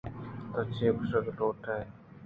* تو چے گْوشگ ءَ ات ئے؟